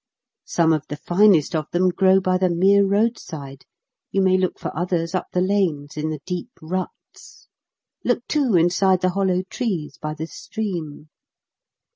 Some of the finest of them grow by the mere road side; you may look for others up the lanes in the deep ruts, look too inside the hollow trees by the stream.